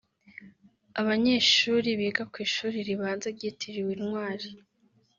Abanyeshuri biga ku ishuri ribanza ryitiriwe Intwari